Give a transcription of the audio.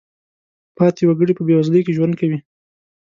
پاتې وګړي په بېوزلۍ کې ژوند کوي.